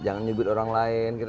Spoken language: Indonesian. jangan nyubit orang lain